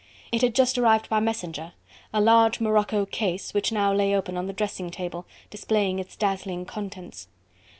It had just arrived by messenger: a large morocco case, which now lay open on the dressing table, displaying its dazzling contents.